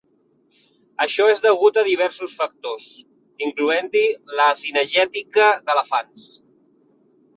Això és degut a diversos factors, incloent-hi la cinegètica d'elefants.